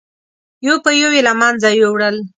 یو په یو یې له منځه یووړل.